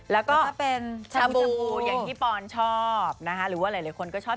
แล้วก็เป็นชามจูอย่างที่ปอนชอบนะคะหรือว่าหลายคนก็ชอบ